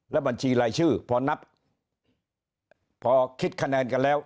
บัญชีรายชื่อพอนับพอคิดคะแนนกันแล้ว